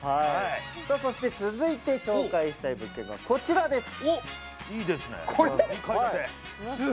続いて紹介したい物件がこちらです。